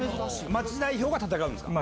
町代表が戦うんですか？